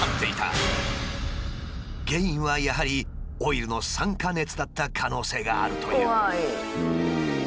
原因はやはりオイルの酸化熱だった可能性があるという。